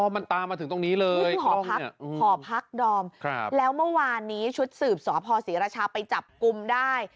มันตามมาถึงตรงนี้เลยที่หอพักหอพักดอมแล้วเมื่อวานนี้ชุดสืบสพศรีราชาไปจับกลุ่มได้